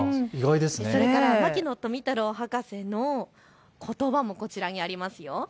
それから牧野富太郎博士のことばも、こちらにありますよ。